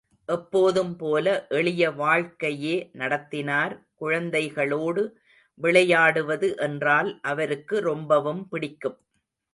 எப்போதும் போல எளிய வாழ்க்கையே நடத்தினார் குழந்தைகளோடு விளையாடுவது என்றால் அவருக்கு ரொம்பவும் பிடிக்கும்.